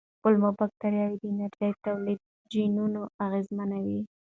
کولمو بکتریاوې د انرژۍ تولید جینونه اغېزمنوي.